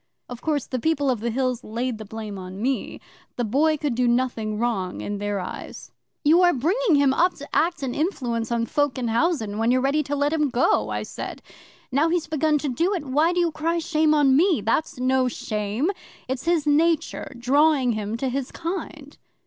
'Of course the People of the Hills laid the blame on me. The Boy could do nothing wrong, in their eyes. '"You are bringing him up to act and influence on folk in housen, when you're ready to let him go," I said. "Now he's begun to do it, why do you cry shame on me? That's no shame. It's his nature drawing him to his kind."